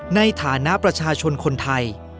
ในฐานะประชาชนคนไทย